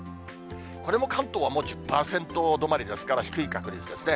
これも関東はもう１０％止まりですから、低い確率ですね。